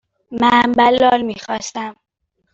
من بلال میخواستم.